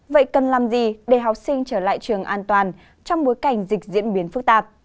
vậy cần làm gì để học sinh trở lại trường an toàn trong bối cảnh dịch diễn biến phức tạp